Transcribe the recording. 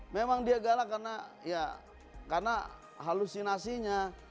memang dia galak karena ya karena halusinasinya